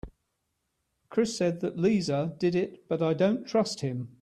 Chris said that Lisa did it but I dont trust him.